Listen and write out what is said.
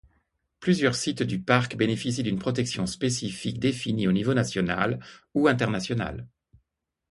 Plusieurs sites du parc bénéficient d’une protection spécifique définie au niveau national ou international.